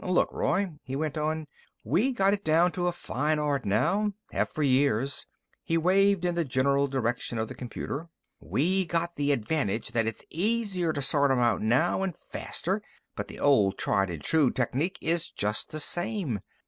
"Look, Roy," he went on, "we got it down to a fine art now have for years." He waved in the general direction of the computer. "We got the advantage that it's easier to sort 'em out now, and faster but the old tried and true technique is just the same.